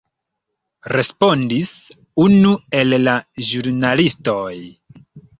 respondis unu el la ĵurnalistoj.